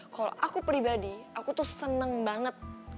kalau aku pribadi aku tuh seneng banget